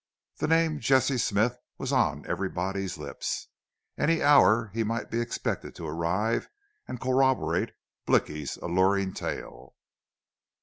The name Jesse Smith was on everybody's lips. Any hour he might be expected to arrive and corroborate Blicky's alluring tale.